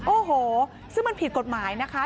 โอ้โหซึ่งมันผิดกฎหมายนะคะ